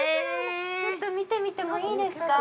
ちょっと見てみてもいいですか。